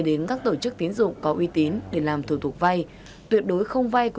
để bắt tôi phải cầu cứu